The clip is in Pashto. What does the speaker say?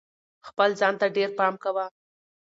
خپل ځان ته ډېر پام کوه.